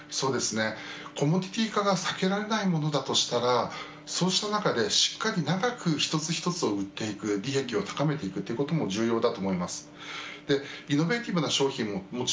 コモディティー化が避けられないものだとしたらそうした中でしっかり長く一つ一つを売っていく力を高めていくということも重要だと思います。